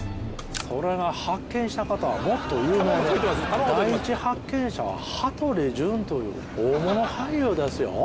それが発見した方はもっと有名で第一発見者は羽鳥潤という大物俳優ですよ